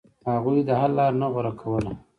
هغوی د حل لار نه غوره کوله.